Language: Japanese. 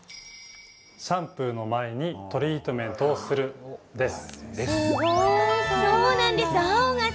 シャンプーの前にトリートメントをする、です。